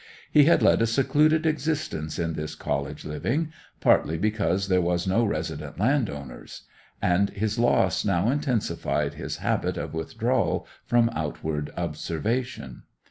He had led a secluded existence in this college living, partly because there were no resident landowners; and his loss now intensified his habit of withdrawal from outward observation.